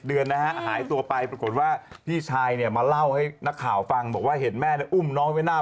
เดี๋ยวขุมแม่นั่งลงมา